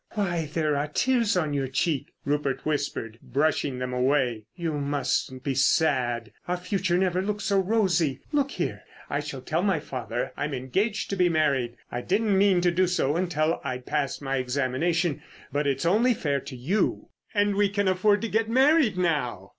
"Why, there are tears on your cheek!" Rupert whispered, brushing them away. "You mustn't be sad: our future never looked so rosy. Look here, I shall tell my father I'm engaged to be married. I didn't mean to do so until I'd passed my examination, but it's only fair to you. And we can afford to get married now!